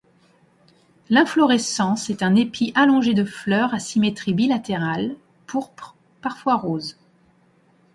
L'inflorescence est un épi allongé de fleurs à symétrie bilatérale, pourpres, parfois roses.